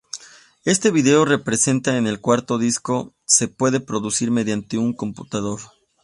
Este video presente en el cuarto disco se puede reproducir mediante un computador.